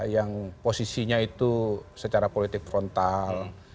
yang posisinya itu secara politik frontal